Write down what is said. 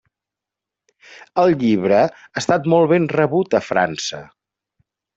El llibre ha estat molt ben rebut a França.